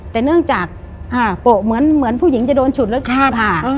แต่เนื่องจากโปะเหมือนผู้หญิงจะโดนฉุดแล้วผ่า